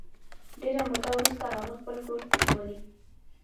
ډېره موده وروسته هغه خپل کور ولید